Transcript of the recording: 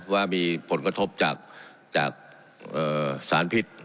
ว่ามีผลกระทบจากสารพิษ